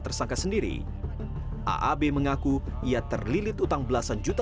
kerugianmu delapan puluh juta utangmu lima belas juta